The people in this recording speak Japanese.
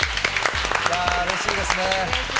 いやー、うれしいですね。